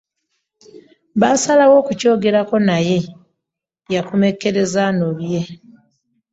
Baasalawo okukyogerako naye yakomekkerera annobye.